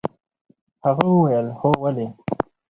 هغه وويل هو ولې.